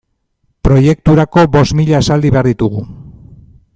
Proiekturako bost mila esaldi behar ditugu.